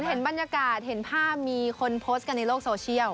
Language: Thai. เห็นบรรยากาศเห็นภาพมีคนโพสต์กันในโลกโซเชียล